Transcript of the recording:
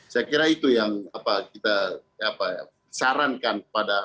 saya kira itu yang kita sarankan